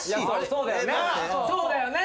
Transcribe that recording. そうだよね。